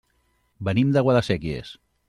Venim de Guadasséquies.